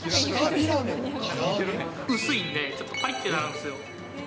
薄いんで、ちょっとぱりっとなるんですよ。